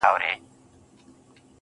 ما په ژړغوني اواز دا يــوه گـيـله وكړه.